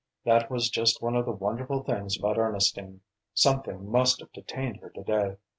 That was just one of the wonderful things about Ernestine. Something must have detained her to day.